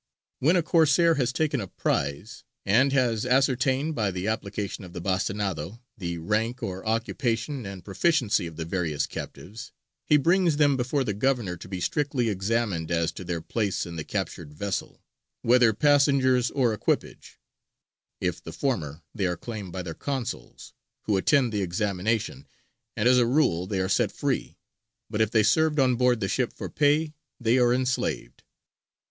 When a Corsair has taken a prize and has ascertained, by the application of the bastinado, the rank or occupation and proficiency of the various captives, he brings them before the governor to be strictly examined as to their place in the captured vessel, whether passengers or equipage: if the former, they are claimed by their consuls, who attend the examination, and as a rule they are set free; but if they served on board the ship for pay they are enslaved.